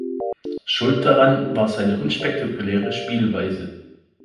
Schuld daran war seine unspektakuläre Spielweise.